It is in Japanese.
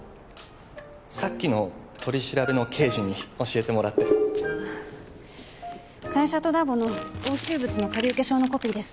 さっきの取り調べの刑事に教えてもらって会社とラボの押収物の借受証のコピーです